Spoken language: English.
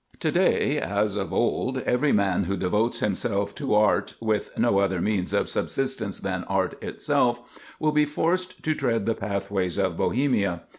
"To day, as of old, every man who devotes himself to art, with no other means of subsistence than art itself, will be forced to tread the pathways of Bohemia.